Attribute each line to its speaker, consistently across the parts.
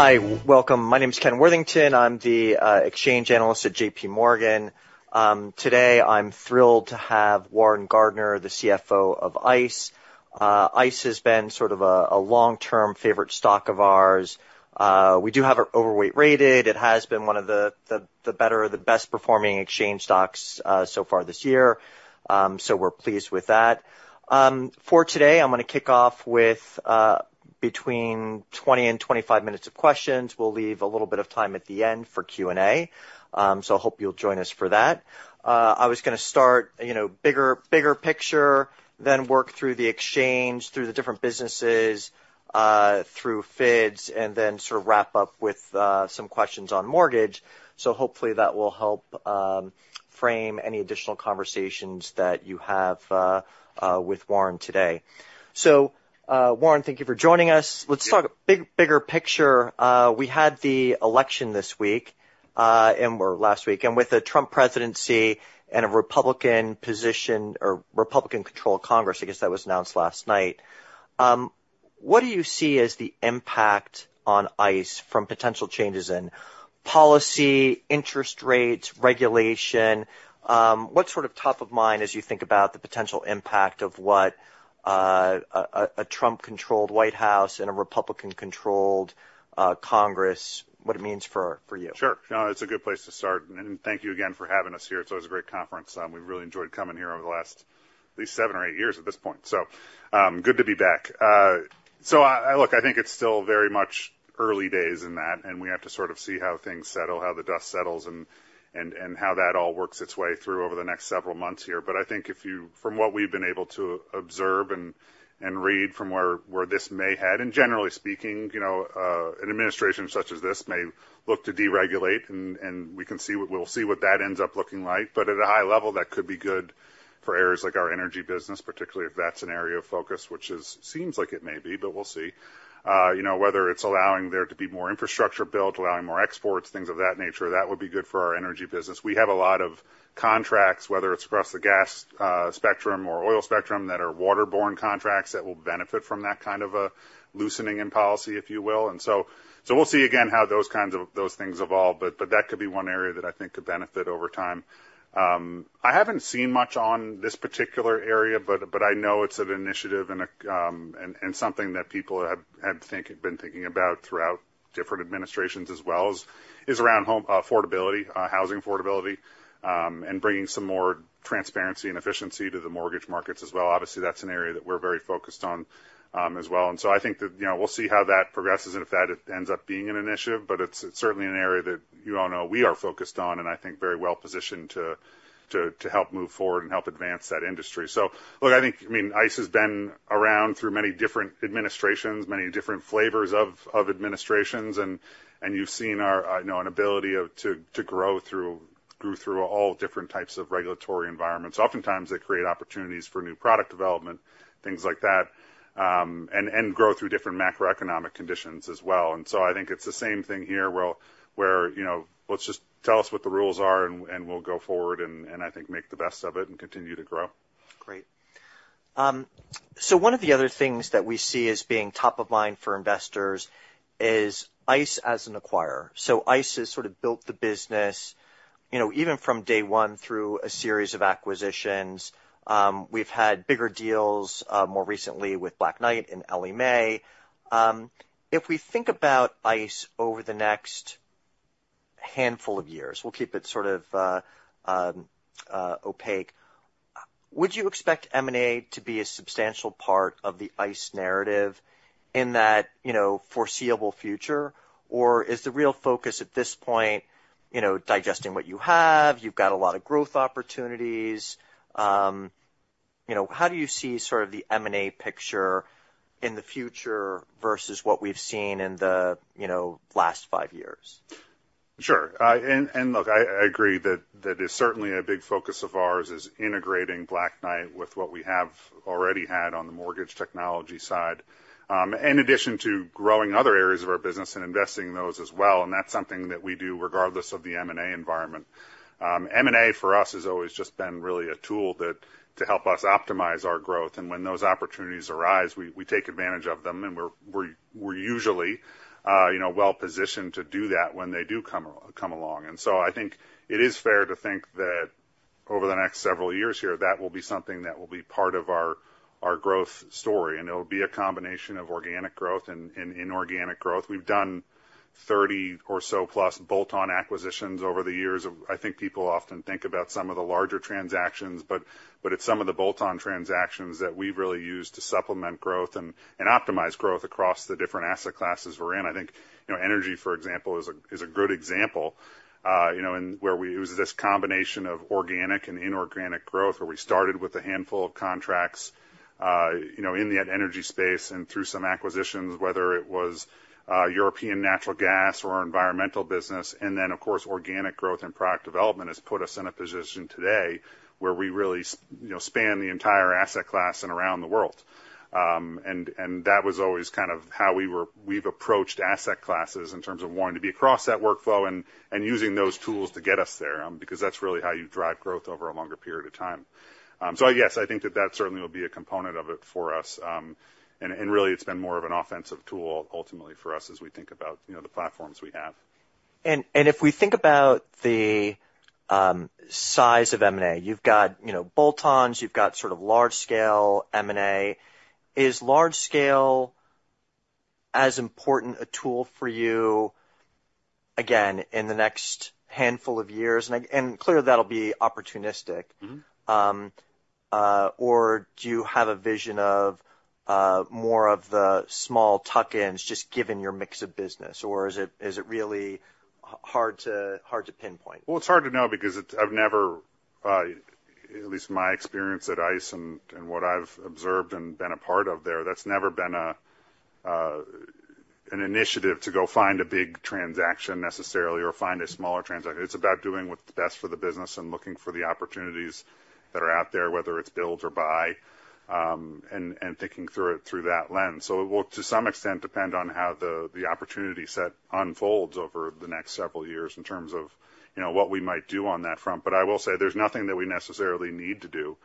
Speaker 1: Hi, welcome. My name's Ken Worthington. I'm the exchange analyst at JPMorgan. Today I'm thrilled to have Warren Gardiner, the CFO of ICE. ICE has been sort of a long-term favorite stock of ours. We do have it overweight rated. It has been one of the better, the best-performing exchange stocks so far this year. So we're pleased with that. For today, I'm gonna kick off with between 20 and 25 minutes of questions. We'll leave a little bit of time at the end for Q&A. So I hope you'll join us for that. I was gonna start, you know, bigger picture, then work through the exchange, through the different businesses, through FIDS, and then sort of wrap up with some questions on mortgage. So hopefully that will help frame any additional conversations that you have with Warren today. So, Warren, thank you for joining us. Let's talk big, bigger picture. We had the election this week or last week, and with a Trump presidency and a Republican-controlled Congress, I guess that was announced last night. What do you see as the impact on ICE from potential changes in policy, interest rates, regulation? What's sort of top of mind as you think about the potential impact of a Trump-controlled White House and a Republican-controlled Congress, what it means for you?
Speaker 2: Sure. No, it's a good place to start. And thank you again for having us here. It's always a great conference. We've really enjoyed coming here over the last, at least, seven or eight years at this point. So, good to be back. So I look, I think it's still very much early days in that, and we have to sort of see how things settle, how the dust settles, and how that all works its way through over the next several months here. But I think if you from what we've been able to observe and read from where this may head, and generally speaking, you know, an administration such as this may look to deregulate, and we can see what we'll see what that ends up looking like. But at a high level, that could be good for areas like our energy business, particularly if that's an area of focus, which seems like it may be, but we'll see. You know, whether it's allowing there to be more infrastructure built, allowing more exports, things of that nature, that would be good for our energy business. We have a lot of contracts, whether it's across the gas spectrum or oil spectrum, that are waterborne contracts that will benefit from that kind of a loosening in policy, if you will. And so we'll see again how those kinds of, those things evolve. But that could be one area that I think could benefit over time. I haven't seen much on this particular area, but I know it's an initiative and something that people have been thinking about throughout different administrations as well as around home affordability, housing affordability, and bringing some more transparency and efficiency to the mortgage markets as well. Obviously, that's an area that we're very focused on, as well. I think that, you know, we'll see how that progresses and if that ends up being an initiative, but it's certainly an area that you all know we are focused on and I think very well positioned to help move forward and help advance that industry. So look, I think. I mean, ICE has been around through many different administrations, many different flavors of administrations, and you've seen our, you know, ability to grow through all different types of regulatory environments. Oftentimes they create opportunities for new product development, things like that, and grow through different macroeconomic conditions as well. I think it's the same thing here where, you know, let's just tell us what the rules are and we'll go forward and I think make the best of it and continue to grow.
Speaker 1: Great. So one of the other things that we see as being top of mind for investors is ICE as an acquirer. So ICE has sort of built the business, you know, even from day one through a series of acquisitions. We've had bigger deals, more recently with Black Knight and Ellie Mae. If we think about ICE over the next handful of years, we'll keep it sort of open. Would you expect M&A to be a substantial part of the ICE narrative in that, you know, foreseeable future, or is the real focus at this point, you know, digesting what you have? You've got a lot of growth opportunities. You know, how do you see sort of the M&A picture in the future versus what we've seen in the, you know, last five years?
Speaker 2: Sure. And look, I agree that is certainly a big focus of ours is integrating Black Knight with what we have already had on the mortgage technology side, in addition to growing other areas of our business and investing in those as well. And that's something that we do regardless of the M&A environment. M&A for us has always just been really a tool that to help us optimize our growth. And when those opportunities arise, we take advantage of them and we're usually, you know, well positioned to do that when they do come along. And so I think it is fair to think that over the next several years here, that will be something that will be part of our growth story. And it'll be a combination of organic growth and inorganic growth. We've done 30 or so plus bolt-on acquisitions over the years. I think people often think about some of the larger transactions, but it's some of the bolt-on transactions that we've really used to supplement growth and optimize growth across the different asset classes we're in. I think, you know, energy, for example, is a good example, you know, in where it was this combination of organic and inorganic growth where we started with a handful of contracts, you know, in the energy space and through some acquisitions, whether it was European natural gas or environmental business. And then, of course, organic growth and product development has put us in a position today where we really, you know, span the entire asset class and around the world. That was always kind of how we were. We've approached asset classes in terms of wanting to be across that workflow and using those tools to get us there, because that's really how you drive growth over a longer period of time. Yes, I think that certainly will be a component of it for us. Really, it's been more of an offensive tool ultimately for us as we think about, you know, the platforms we have.
Speaker 1: If we think about the size of M&A, you've got, you know, bolt-ons. You've got sort of large-scale M&A. Is large-scale as important a tool for you again in the next handful of years? Clearly, that'll be opportunistic.
Speaker 2: Mm-hmm.
Speaker 1: Or do you have a vision of more of the small tuck-ins just given your mix of business, or is it really hard to pinpoint?
Speaker 2: Well, it's hard to know because it's, I've never, at least my experience at ICE and, and what I've observed and been a part of there, that's never been a, an initiative to go find a big transaction necessarily or find a smaller transaction. It's about doing what's best for the business and looking for the opportunities that are out there, whether it's build or buy, and, and thinking through it through that lens. So it will to some extent depend on how the, the opportunity set unfolds over the next several years in terms of, you know, what we might do on that front. But I will say there's nothing that we necessarily need to do.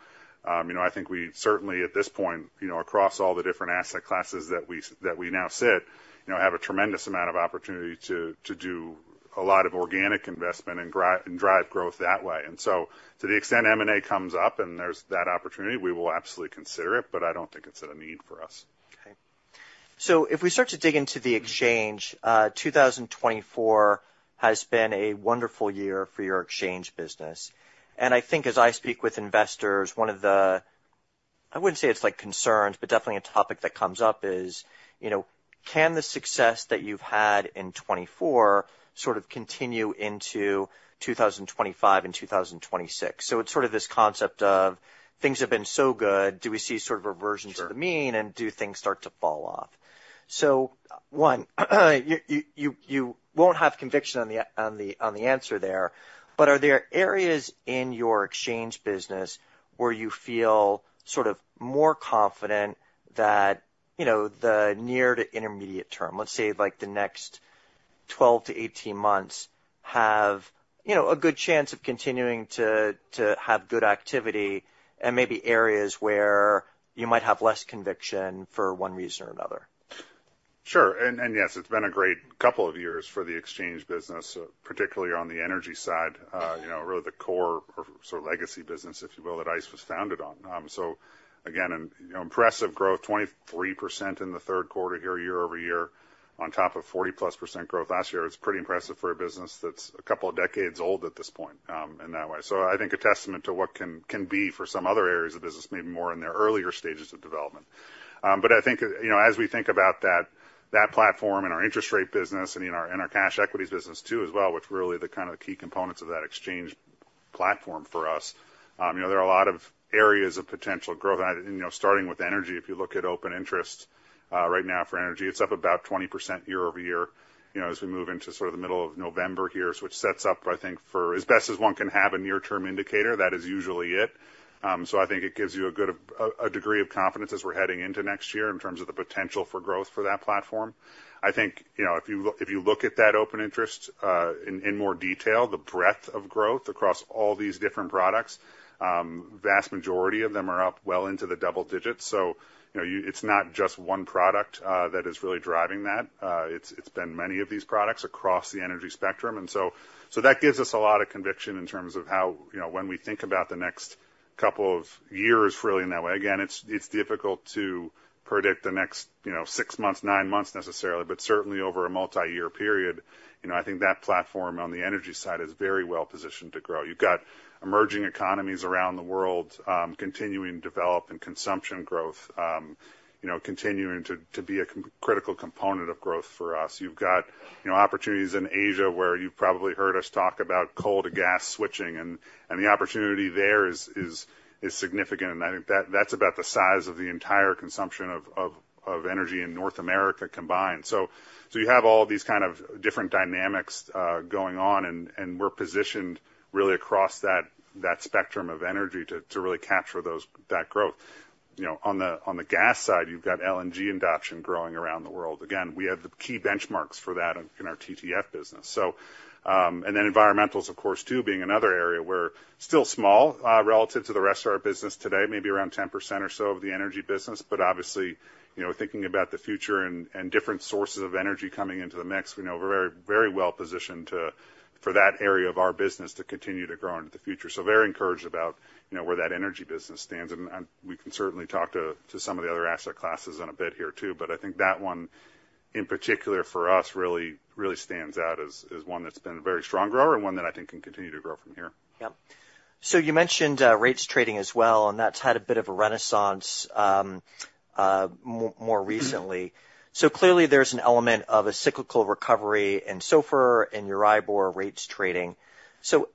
Speaker 2: You know, I think we certainly at this point, you know, across all the different asset classes that we now sit, you know, have a tremendous amount of opportunity to do a lot of organic investment and grind and drive growth that way. And so to the extent M&A comes up and there's that opportunity, we will absolutely consider it, but I don't think it's a need for us.
Speaker 1: Okay. So if we start to dig into the exchange, 2024 has been a wonderful year for your exchange business. And I think as I speak with investors, one of the, I wouldn't say it's like concerns, but definitely a topic that comes up is, you know, can the success that you've had in 2024 sort of continue into 2025 and 2026? So it's sort of this concept of things have been so good, do we see sort of reversions to the mean and do things start to fall off? So one, you won't have conviction on the answer there, but are there areas in your exchange business where you feel sort of more confident that, you know, the near to intermediate term, let's say like the next 12-18 months have, you know, a good chance of continuing to have good activity and maybe areas where you might have less conviction for one reason or another?
Speaker 2: Sure. And yes, it's been a great couple of years for the exchange business, particularly on the energy side, you know, really the core or sort of legacy business, if you will, that ICE was founded on. So again, you know, impressive growth, 23% in the third quarter here, year-over-year, on top of 40%+ growth last year. It's pretty impressive for a business that's a couple of decades old at this point, in that way. So I think a testament to what can be for some other areas of business, maybe more in their earlier stages of development. But I think, you know, as we think about that, that platform and our interest rate business and in our, in our cash equities business too as well, which really the kind of key components of that exchange platform for us, you know, there are a lot of areas of potential growth. And I, you know, starting with energy, if you look at open interest, right now for energy, it's up about 20% year-over-year, you know, as we move into sort of the middle of November here, which sets up, I think, for as best as one can have a near-term indicator, that is usually it. So I think it gives you a good, a degree of confidence as we're heading into next year in terms of the potential for growth for that platform. I think, you know, if you look at that open interest, in more detail, the breadth of growth across all these different products, vast majority of them are up well into the double digits. So, you know, it's not just one product that is really driving that. It's been many of these products across the energy spectrum. And so that gives us a lot of conviction in terms of how, you know, when we think about the next couple of years, really in that way. Again, it's difficult to predict the next, you know, six months, nine months necessarily, but certainly over a multi-year period, you know, I think that platform on the energy side is very well positioned to grow. You've got emerging economies around the world, continuing to develop and consumption growth, you know, continuing to be a critical component of growth for us. You've got, you know, opportunities in Asia where you've probably heard us talk about coal-to-gas switching. And the opportunity there is significant. And I think that that's about the size of the entire consumption of energy in North America combined. So you have all these kind of different dynamics going on and we're positioned really across that spectrum of energy to really capture that growth. You know, on the gas side, you've got LNG adoption growing around the world. Again, we have the key benchmarks for that in our TTF business. So, and then environmentals, of course, too, being another area where still small, relative to the rest of our business today, maybe around 10% or so of the energy business. But obviously, you know, thinking about the future and different sources of energy coming into the mix, we know we're very, very well positioned to, for that area of our business to continue to grow into the future. So very encouraged about, you know, where that energy business stands. And we can certainly talk to some of the other asset classes in a bit here too, but I think that one in particular for us really, really stands out as one that's been a very strong grower and one that I think can continue to grow from here.
Speaker 1: Yep. So you mentioned rates trading as well, and that's had a bit of a renaissance more recently. So clearly there's an element of a cyclical recovery in SOFR and your Euribor rates trading. So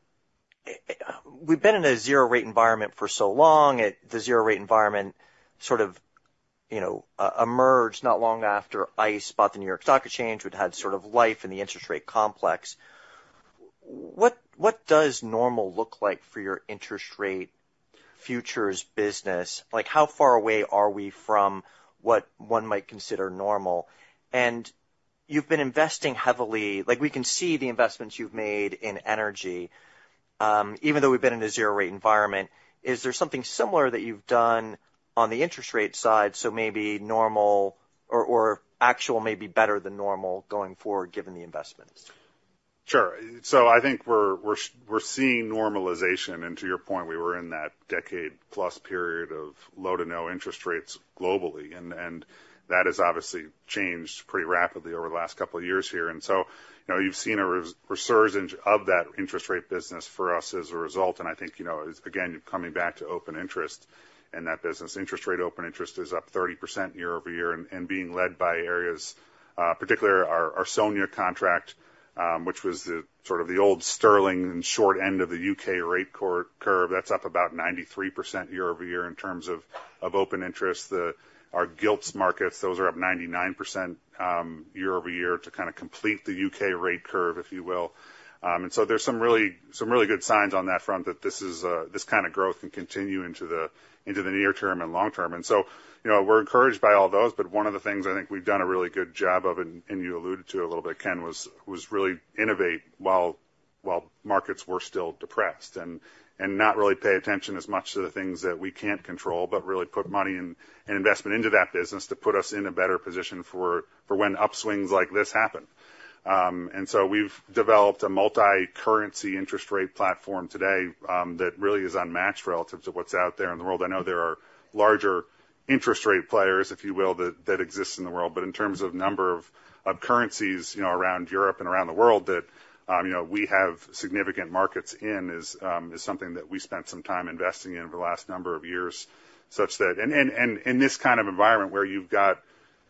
Speaker 1: we've been in a zero rate environment for so long. The zero rate environment sort of, you know, emerged not long after ICE bought the New York Stock Exchange, which had sort of life in the interest rate complex. What does normal look like for your interest rate futures business? Like how far away are we from what one might consider normal? And you've been investing heavily, like we can see the investments you've made in energy, even though we've been in a zero rate environment. Is there something similar that you've done on the interest rate side? So maybe normal or actual maybe better than normal going forward given the investments?
Speaker 2: Sure. So I think we're seeing normalization to your point. We were in that decade plus period of low to no interest rates globally, and that has obviously changed pretty rapidly over the last couple of years here, so you know, you've seen a resurgence of that interest rate business for us as a result, I think you know, again, coming back to open interest in that business, interest rate open interest is up 30% year-over-year and being led by areas, particularly our SONIA contract, which was sort of the old sterling and short end of the U.K. rate curve. That's up about 93% year-over-year in terms of open interest. Our Gilts markets, those are up 99% year-over-year to kind of complete the U.K. rate curve, if you will. And so there's some really good signs on that front that this kind of growth can continue into the near term and long term. And so, you know, we're encouraged by all those, but one of the things I think we've done a really good job of, and you alluded to a little bit, Ken, was really innovate while markets were still depressed and not really pay attention as much to the things that we can't control, but really put money and investment into that business to put us in a better position for when upswings like this happen. And so we've developed a multi-currency interest rate platform today that really is unmatched relative to what's out there in the world. I know there are larger interest rate players, if you will, that exist in the world, but in terms of number of currencies, you know, around Europe and around the world that, you know, we have significant markets in is something that we spent some time investing in over the last number of years, such that and in this kind of environment where you've got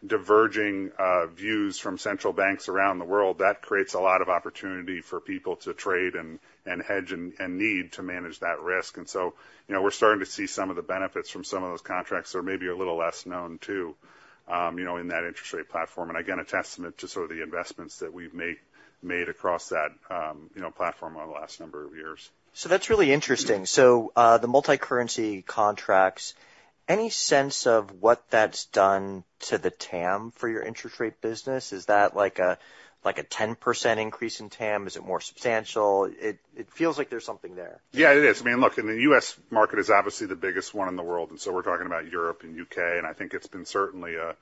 Speaker 2: diverging views from central banks around the world, that creates a lot of opportunity for people to trade and hedge and need to manage that risk, and so, you know, we're starting to see some of the benefits from some of those contracts that are maybe a little less known too, you know, in that interest rate platform. Again, a testament to sort of the investments that we've made across that, you know, platform over the last number of years.
Speaker 1: So that's really interesting. So, the multi-currency contracts, any sense of what that's done to the TAM for your interest rate business? Is that like a, like a 10% increase in TAM? Is it more substantial? It, it feels like there's something there.
Speaker 2: Yeah, it is. I mean, look, in the U.S. market is obviously the biggest one in the world, and so we're talking about Europe and U.K. And I think it's been certainly an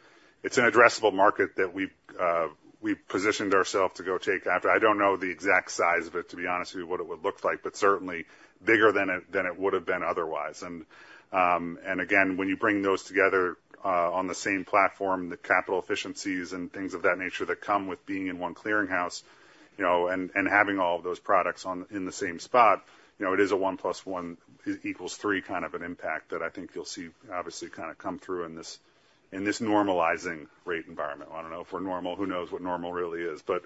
Speaker 2: addressable market that we've positioned ourselves to go take after. I don't know the exact size of it, to be honest with you, what it would look like, but certainly bigger than it would've been otherwise, and again, when you bring those together, on the same platform, the capital efficiencies and things of that nature that come with being in one clearing house, you know, and having all of those products on in the same spot, you know, it is a one plus one equals three kind of an impact that I think you'll see obviously kind of come through in this normalizing rate environment. I don't know if we're normal. Who knows what normal really is, but.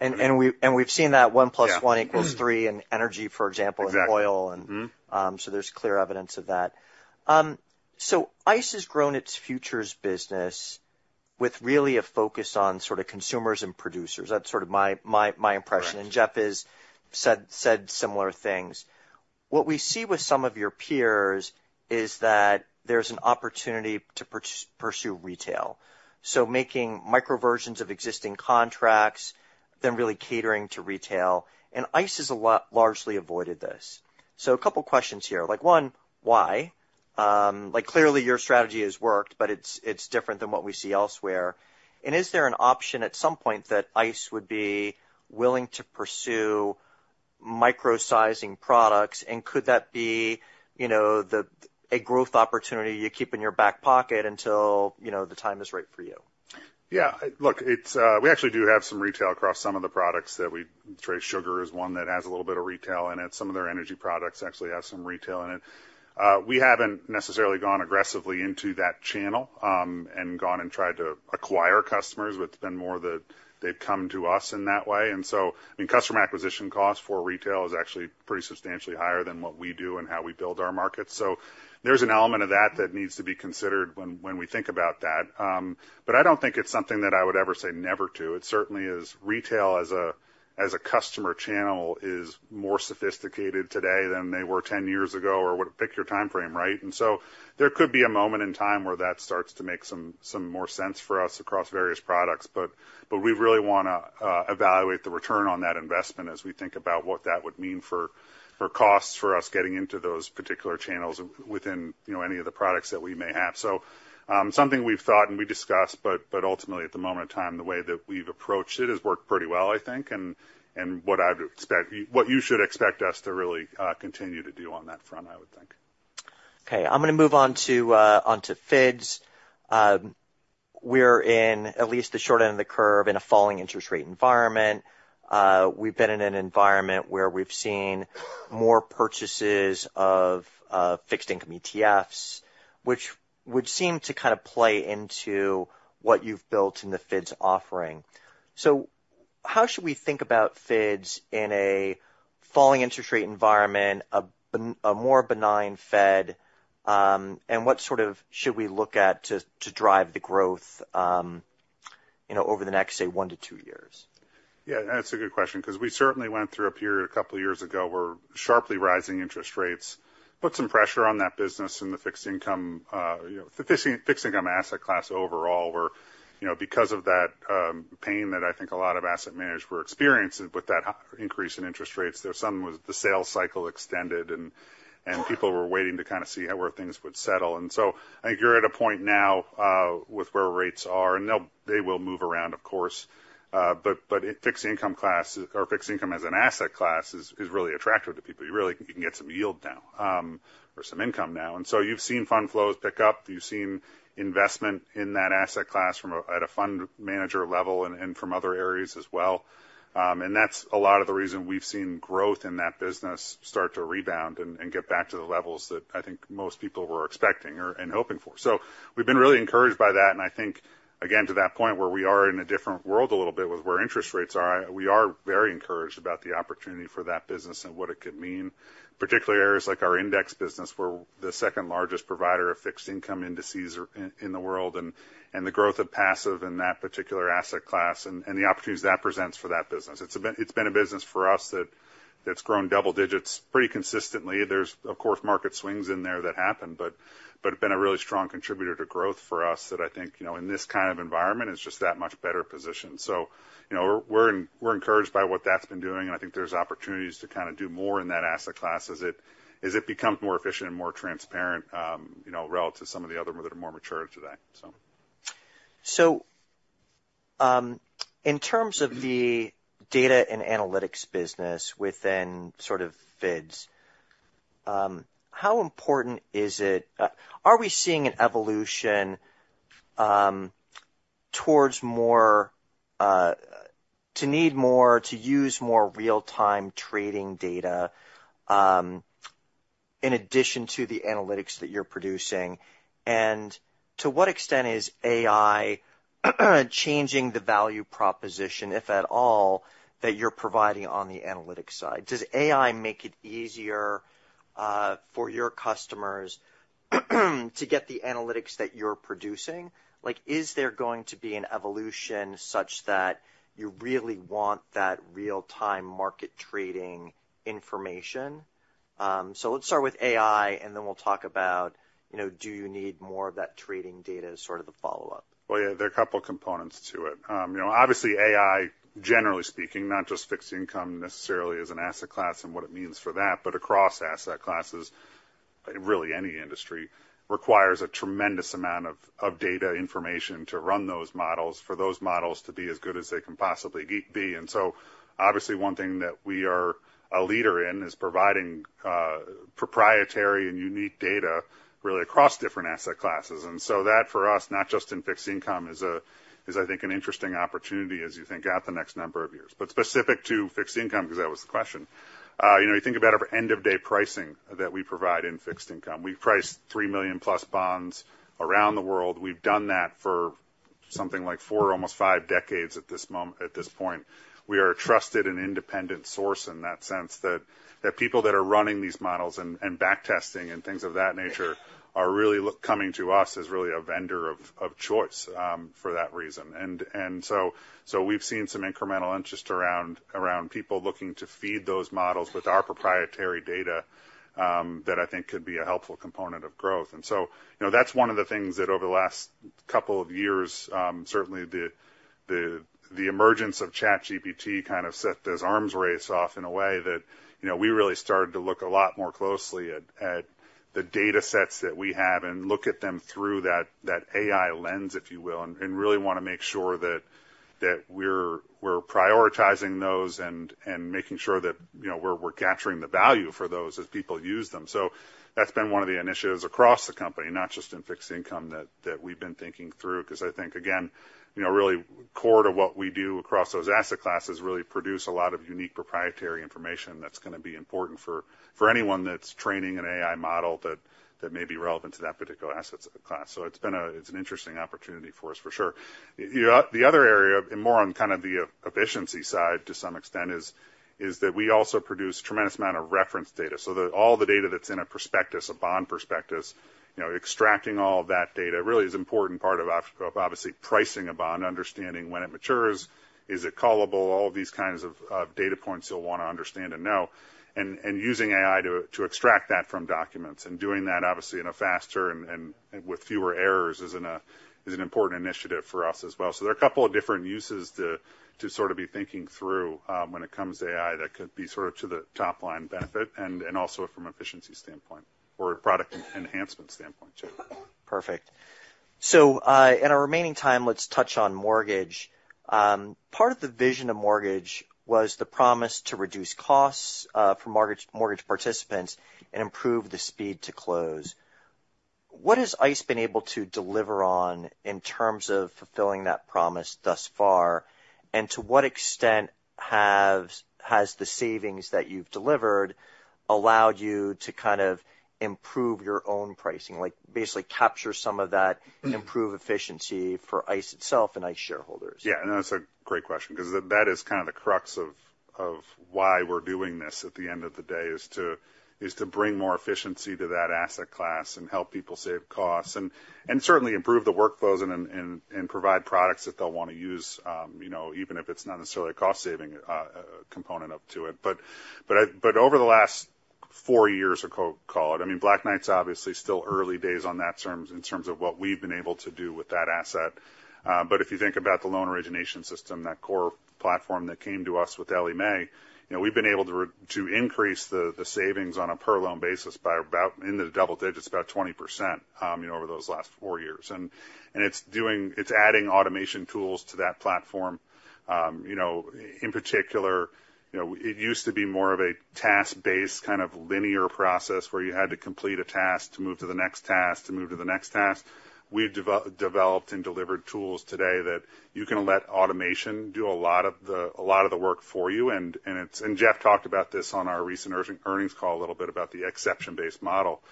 Speaker 1: We've seen that one plus one equals three in energy, for example, and oil.
Speaker 2: Exactly.
Speaker 1: There's clear evidence of that. ICE has grown its futures business with really a focus on sort of consumers and producers. That's sort of my impression. Jeff has said similar things. What we see with some of your peers is that there's an opportunity to pursue retail. Making micro versions of existing contracts, then really catering to retail. ICE has largely avoided this. A couple of questions here. Like one, why? Like clearly your strategy has worked, but it's different than what we see elsewhere. Is there an option at some point that ICE would be willing to pursue micro-sizing products? Could that be, you know, a growth opportunity you keep in your back pocket until, you know, the time is right for you?
Speaker 2: Yeah. Look, it's we actually do have some retail across some of the products that we trade. Sugar is one that has a little bit of retail in it. Some of their energy products actually have some retail in it. We haven't necessarily gone aggressively into that channel, and gone and tried to acquire customers, but it's been more that they've come to us in that way. And so, I mean, customer acquisition costs for retail is actually pretty substantially higher than what we do and how we build our markets. So there's an element of that that needs to be considered when we think about that. But I don't think it's something that I would ever say never to. It certainly is retail as a, as a customer channel is more sophisticated today than they were 10 years ago or what pick your timeframe, right? And so there could be a moment in time where that starts to make some more sense for us across various products, but we really want to evaluate the return on that investment as we think about what that would mean for costs for us getting into those particular channels within, you know, any of the products that we may have. So, something we've thought and we discussed, but ultimately at the moment in time, the way that we've approached it has worked pretty well, I think. And what I'd expect, what you should expect us to really continue to do on that front, I would think.
Speaker 1: Okay. I'm gonna move on to FIDS. We're in at least the short end of the curve in a falling interest rate environment. We've been in an environment where we've seen more purchases of fixed income ETFs, which would seem to kind of play into what you've built in the FIDS offering. So how should we think about FIDS in a falling interest rate environment, a more benign Fed, and what sort of should we look at to drive the growth, you know, over the next, say, one to two years?
Speaker 2: Yeah. That's a good question. 'Cause we certainly went through a period a couple of years ago where sharply rising interest rates put some pressure on that business and the fixed income, you know, the fixed income asset class overall, where, you know, because of that pain that I think a lot of asset managers were experiencing with that increase in interest rates, the sales cycle was extended and people were waiting to kind of see how, where things would settle, and so I think you're at a point now with where rates are and they'll move around, of course, but fixed income as an asset class is really attractive to people. You really can get some yield now, or some income now, and so you've seen fund flows pick up. You've seen investment in that asset class from a fund manager level and from other areas as well. And that's a lot of the reason we've seen growth in that business start to rebound and get back to the levels that I think most people were expecting or and hoping for. So we've been really encouraged by that. And I think, again, to that point where we are in a different world a little bit with where interest rates are, we are very encouraged about the opportunity for that business and what it could mean, particularly areas like our index business, where the second largest provider of fixed income indices in the world and the growth of passive in that particular asset class and the opportunities that presents for that business. It's been a business for us that's grown double digits pretty consistently. There's, of course, market swings in there that happen, but it's been a really strong contributor to growth for us that I think, you know, in this kind of environment, it's just that much better positioned. So, you know, we're encouraged by what that's been doing. And I think there's opportunities to kind of do more in that asset class as it becomes more efficient and more transparent, you know, relative to some of the other that are more mature today. So.
Speaker 1: So, in terms of the data and analytics business within sort of FIDS, how important is it? Are we seeing an evolution towards more need to use more real-time trading data, in addition to the analytics that you're producing? And to what extent is AI changing the value proposition, if at all, that you're providing on the analytics side? Does AI make it easier for your customers to get the analytics that you're producing? Like, is there going to be an evolution such that you really want that real-time market trading information? So let's start with AI and then we'll talk about, you know, do you need more of that trading data sort of the follow-up?
Speaker 2: Yeah, there are a couple of components to it. You know, obviously AI, generally speaking, not just fixed income necessarily as an asset class and what it means for that, but across asset classes, really any industry requires a tremendous amount of data, information to run those models for those models to be as good as they can possibly be. And so obviously one thing that we are a leader in is providing proprietary and unique data really across different asset classes. And so that for us, not just in fixed income is I think an interesting opportunity as you think out the next number of years, but specific to fixed income, 'cause that was the question. You know, you think about our end of day pricing that we provide in fixed income. We price 3 million plus bonds around the world. We've done that for something like four, almost five decades at this moment, at this point. We are a trusted and independent source in that sense that people that are running these models and backtesting and things of that nature are really coming to us as really a vendor of choice, for that reason. And so we've seen some incremental interest around people looking to feed those models with our proprietary data, that I think could be a helpful component of growth. So, you know, that's one of the things that over the last couple of years, certainly the emergence of ChatGPT kind of set those arms race off in a way that, you know, we really started to look a lot more closely at the data sets that we have and look at them through that AI lens, if you will, and really wanna make sure that we're prioritizing those and making sure that, you know, we're capturing the value for those as people use them. So that's been one of the initiatives across the company, not just in fixed income that we've been thinking through. 'Cause I think again, you know, really core to what we do across those asset classes really produce a lot of unique proprietary information that's gonna be important for anyone that's training an AI model that may be relevant to that particular asset class. So it's been, it's an interesting opportunity for us for sure. You know, the other area and more on kind of the efficiency side to some extent is that we also produce a tremendous amount of reference data. So that all the data that's in a prospectus, a bond prospectus, you know, extracting all of that data really is an important part of, of obviously pricing a bond, understanding when it matures, is it callable, all of these kinds of, of data points you'll wanna understand and know, and, and using AI to, to extract that from documents and doing that obviously in a faster and, and with fewer errors is in a, is an important initiative for us as well. So there are a couple of different uses to, to sort of be thinking through, when it comes to AI that could be sort of to the top line benefit and, and also from an efficiency standpoint or a product enhancement standpoint too.
Speaker 1: Perfect. So, in our remaining time, let's touch on mortgage part of the vision of mortgage was the promise to reduce costs for mortgage participants and improve the speed to close. What has ICE been able to deliver on in terms of fulfilling that promise thus far? And to what extent has the savings that you've delivered allowed you to kind of improve your own pricing, like basically capture some of that, improve efficiency for ICE itself and ICE shareholders?
Speaker 2: Yeah. And that's a great question. 'Cause that is kind of the crux of why we're doing this at the end of the day is to bring more efficiency to that asset class and help people save costs and certainly improve the workflows and provide products that they'll wanna use, you know, even if it's not necessarily a cost saving component up to it. But I, over the last four years or so, call it, I mean, Black Knight's obviously still early days on that terms in terms of what we've been able to do with that asset. But if you think about the loan origination system, that core platform that came to us with Ellie Mae, you know, we've been able to increase the savings on a per loan basis by about in the double digits, about 20%, you know, over those last four years. And it's adding automation tools to that platform. You know, in particular, you know, it used to be more of a task-based kind of linear process where you had to complete a task to move to the next task. We've developed and delivered tools today that you can let automation do a lot of the work for you. Jeff talked about this on our recent earnings call a little bit about the exception-based model,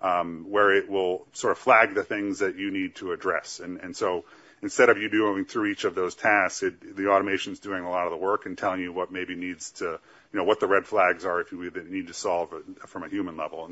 Speaker 2: where it will sort of flag the things that you need to address. Instead of you going through each of those tasks, the automation's doing a lot of the work and telling you what maybe needs to, you know, what the red flags are if you need to solve from a human level.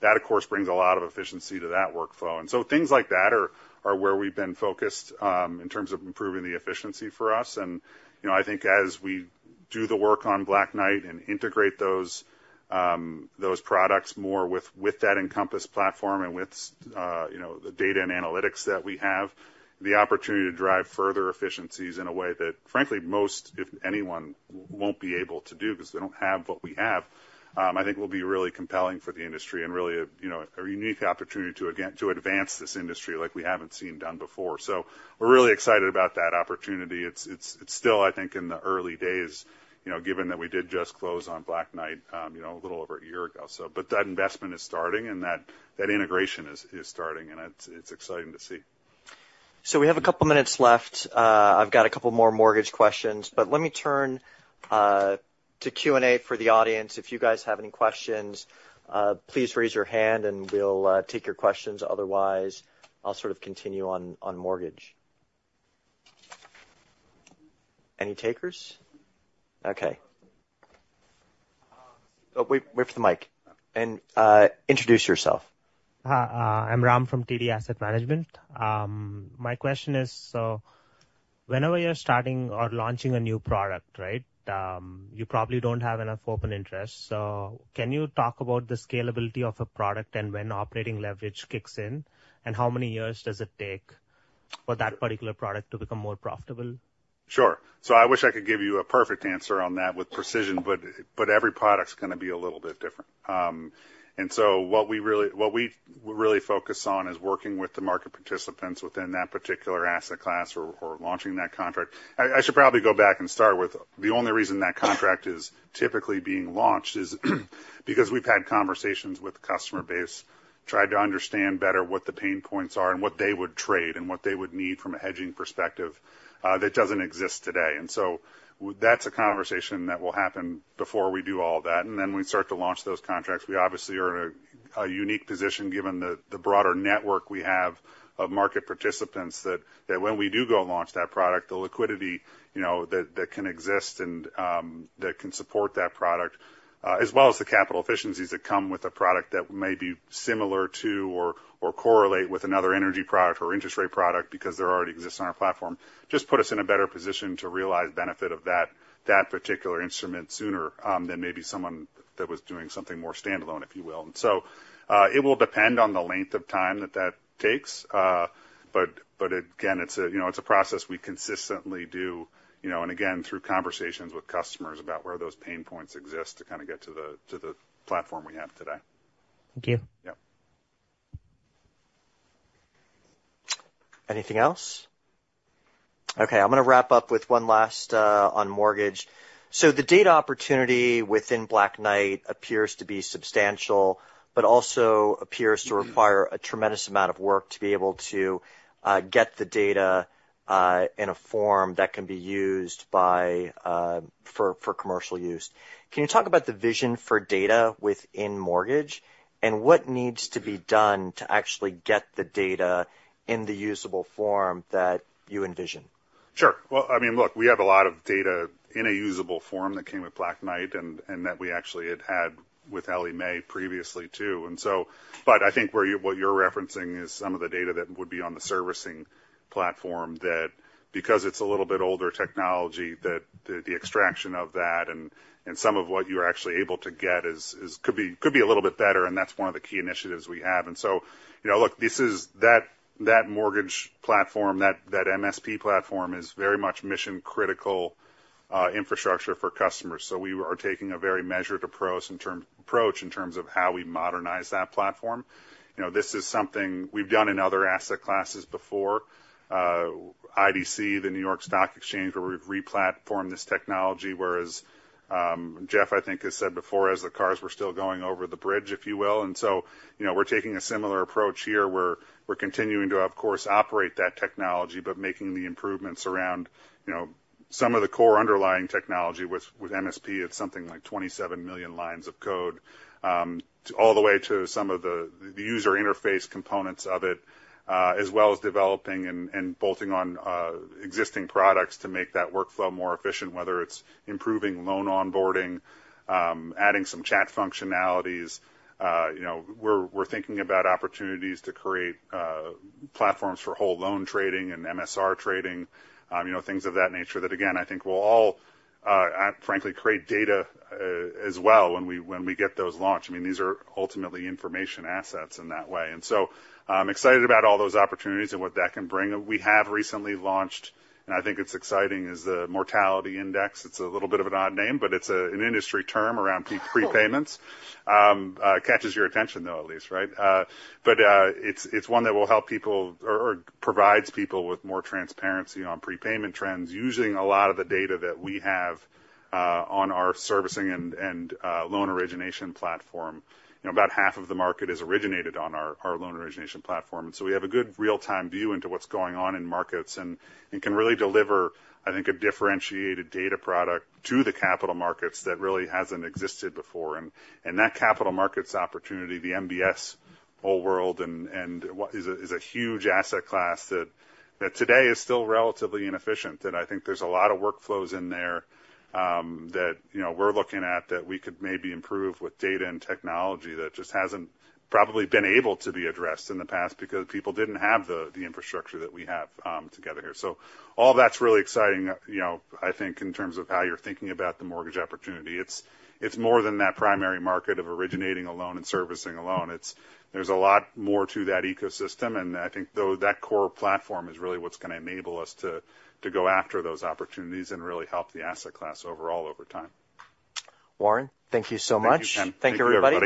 Speaker 2: That, of course, brings a lot of efficiency to that workflow. Things like that are where we've been focused, in terms of improving the efficiency for us. You know, I think as we do the work on Black Knight and integrate those products more with that Encompass platform and with, you know, the data and analytics that we have, the opportunity to drive further efficiencies in a way that frankly most, if anyone won't be able to do 'cause they don't have what we have, I think will be really compelling for the industry and really a, you know, a unique opportunity to again, to advance this industry like we haven't seen done before. So we're really excited about that opportunity. It's still, I think in the early days, you know, given that we did just close on Black Knight, you know, a little over a year ago. So, but that investment is starting and that integration is starting and it's exciting to see.
Speaker 1: So we have a couple minutes left. I've got a couple more mortgage questions, but let me turn to Q&A for the audience. If you guys have any questions, please raise your hand and we'll take your questions. Otherwise I'll sort of continue on mortgage. Any takers? Okay. Oh, wait for the mic and introduce yourself. Hi, I'm Ram from TD Asset Management. My question is, so whenever you're starting or launching a new product, right, you probably don't have enough open interest. So can you talk about the scalability of a product and when operating leverage kicks in and how many years does it take for that particular product to become more profitable?
Speaker 2: Sure. So I wish I could give you a perfect answer on that with precision, but, but every product's gonna be a little bit different, and so what we really, what we really focus on is working with the market participants within that particular asset class or, or launching that contract. I, I should probably go back and start with the only reason that contract is typically being launched is because we've had conversations with the customer base, tried to understand better what the pain points are and what they would trade and what they would need from a hedging perspective, that doesn't exist today, and so that's a conversation that will happen before we do all that, and then we start to launch those contracts. We obviously are in a unique position given the broader network we have of market participants that when we do go launch that product, the liquidity, you know, that can exist and that can support that product, as well as the capital efficiencies that come with a product that may be similar to or correlate with another energy product or interest rate product because there already exists on our platform, just put us in a better position to realize benefit of that particular instrument sooner than maybe someone that was doing something more standalone, if you will. And so, it will depend on the length of time that takes. but again, you know, it's a process we consistently do, you know, and again, through conversations with customers about where those pain points exist to kind of get to the platform we have today. Thank you. Yep.
Speaker 1: Anything else? Okay. I'm gonna wrap up with one last on mortgage. So the data opportunity within Black Knight appears to be substantial, but also appears to require a tremendous amount of work to be able to get the data in a form that can be used for commercial use. Can you talk about the vision for data within mortgage and what needs to be done to actually get the data in the usable form that you envision?
Speaker 2: Sure. Well, I mean, look, we have a lot of data in a usable form that came with Black Knight and that we actually had with Ellie Mae previously too. And so, but I think where you, what you're referencing is some of the data that would be on the servicing platform that because it's a little bit older technology, that the extraction of that and some of what you are actually able to get is could be a little bit better. And that's one of the key initiatives we have. And so, you know, look, this is that mortgage platform, that MSP platform is very much mission-critical infrastructure for customers. So we are taking a very measured long-term approach in terms of how we modernize that platform. You know, this is something we've done in other asset classes before, IDC, the New York Stock Exchange, where we've replatformed this technology, whereas Jeff, I think has said before, as the cars were still going over the bridge, if you will, and so, you know, we're taking a similar approach here. We're continuing to, of course, operate that technology, but making the improvements around, you know, some of the core underlying technology with MSP. It's something like 27 million lines of code, all the way to some of the user interface components of it, as well as developing and bolting on existing products to make that workflow more efficient, whether it's improving loan onboarding, adding some chat functionalities. You know, we're thinking about opportunities to create platforms for whole loan trading and MSR trading, you know, things of that nature that again, I think will all frankly create data as well when we get those launched. I mean, these are ultimately information assets in that way. And so I'm excited about all those opportunities and what that can bring. We have recently launched, and I think it's exciting, is the Mortality index. It's a little bit of an odd name, but it's an industry term around prepayments. Catches your attention though, at least, right? But it's one that will help people or provides people with more transparency on prepayment trends using a lot of the data that we have on our servicing and loan origination platform. You know, about half of the market is originated on our loan origination platform. And so we have a good real-time view into what's going on in markets and can really deliver, I think, a differentiated data product to the capital markets that really hasn't existed before. And that capital markets opportunity, the MBS whole world and what is a huge asset class that today is still relatively inefficient that I think there's a lot of workflows in there that, you know, we're looking at that we could maybe improve with data and technology that just hasn't probably been able to be addressed in the past because people didn't have the infrastructure that we have together here. So all that's really exciting, you know. I think in terms of how you're thinking about the mortgage opportunity, it's more than that primary market of originating a loan and servicing a loan. It's, there's a lot more to that ecosystem. And I think though that core platform is really what's gonna enable us to go after those opportunities and really help the asset class overall over time.
Speaker 1: Warren, thank you so much.
Speaker 2: Thank you, Sam.
Speaker 1: Thank you, everybody.